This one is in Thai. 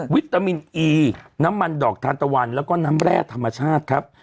วิตามินอีน้ำมันดอกทานตะวันแล้วก็น้ำแร่ธรรมชาติครับ